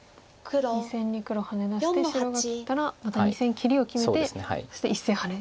２線に黒ハネ出して白が切ったらまた２線切りを決めてそして１線ハネ。